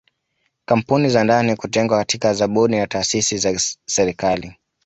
Kampuni za ndani kutengwa katika zabuni na taasisi za serikali